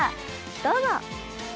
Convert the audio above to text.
どうぞ。